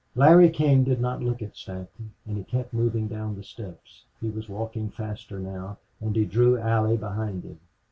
Larry King did not look at Stanton and he kept moving down the steps; he was walking faster now, and he drew Allie behind him.